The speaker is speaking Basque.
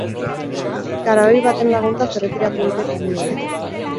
Garabi baten laguntzaz erretiratu dute kamioia.